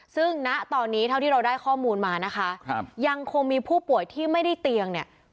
ซึ่งณตอนนี้เท่าที่เราได้ข้อมูลมานะคะยังคงมีผู้ป่วยที่ไม่ได้เตียงเนี่ย